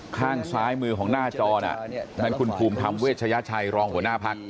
ข้างซ้ายมือของหน้าจอน่ะนั่นคุณภูมิธรรมเวชยชัยรองหัวหน้าพัก